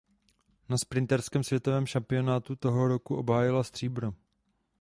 Na sprinterském světovém šampionátu toho roku obhájila stříbro.